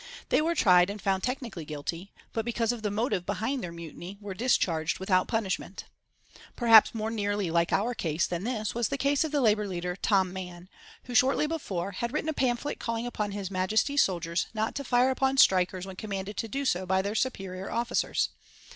They were tried and found technically guilty, but because of the motive behind their mutiny, were discharged without punishment. Perhaps more nearly like our case than this was the case of the labour leader, Tom Mann, who, shortly before, had written a pamphlet calling upon His Majesty's soldiers not to fire upon strikers when commanded to do so by their superior officers.